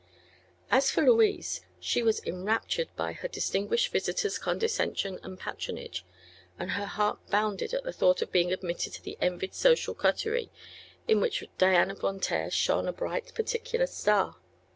As for Louise, she was enraptured by her distinguished visitor's condescension and patronage, and her heart bounded at the thought of being admitted to the envied social coterie in which Diana Von Taer shone a bright, particular star.